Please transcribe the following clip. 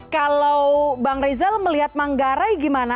kalau bang rizal melihat manggarai gimana